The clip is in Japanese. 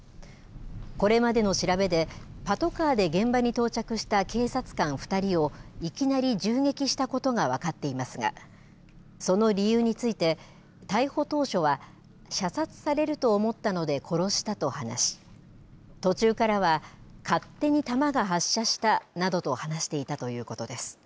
これまでの調べでパトカーで現場に到着した警察官２人をいきなり銃撃したことが分かっていますがその理由について、逮捕当初は射殺されると思ったので殺したと話し途中からは勝手に弾が発射したなどと話していたということです。